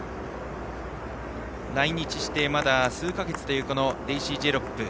来日してまだ数か月というデイシー・ジェロップ。